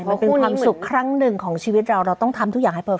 มันเป็นความสุขครั้งหนึ่งของชีวิตเราเราต้องทำทุกอย่างให้เปิด